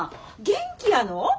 元気やの？